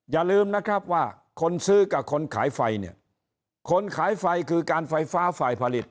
อย่าลืมนะครับว่าคนซื้อกับคนขายไฟเนี่ยคนขายไฟคือการไฟฟ้าฝ่ายผลิต